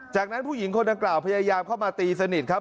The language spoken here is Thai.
จากนั้นผู้หญิงคนดังกล่าวพยายามเข้ามาตีสนิทครับ